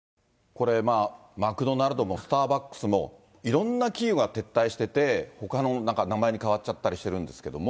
これ、マクドナルドもスターバックスも、いろんな企業が撤退してて、ほかの名前に変わっちゃったりしてるんですけども。